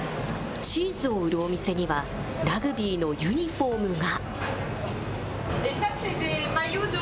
チーズを売るお店には、ラグビーのユニホームが。